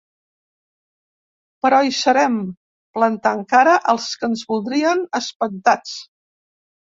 Però hi serem, plantant cara als que ens voldrien espantats.